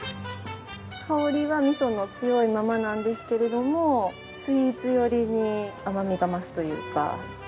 香りは味噌の強いままなんですけれどもスイーツ寄りに甘みが増すというか。